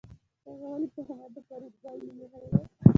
هغه ولې پر ما د فریدګل نوم ایښی و